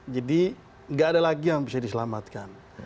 jadi nggak ada lagi yang bisa diselamatkan